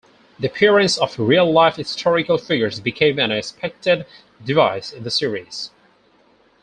The appearance of real-life historical figures became an expected device in the series.